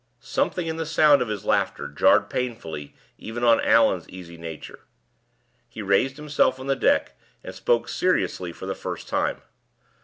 Something in the sound of his laughter jarred painfully even on Allan's easy nature. He raised himself on the deck and spoke seriously for the first time.